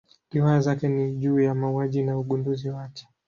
Riwaya zake ni juu ya mauaji na ugunduzi wake.